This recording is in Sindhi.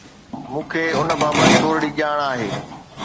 مون کي ان بابت ٿورڙي ڄاڻ آهي.